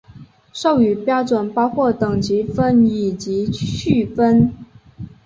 授予标准包括等级分以及序分。